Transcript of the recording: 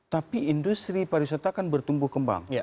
tapi industri pariwisata kan bertumbuh kembang